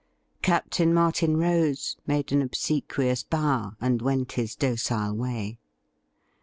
Captain Martin rose, made an obsequious bow, and went his docile way.